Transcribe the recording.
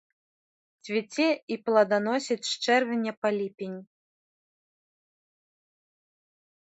Цвіце і плоданасіць з чэрвеня па ліпень.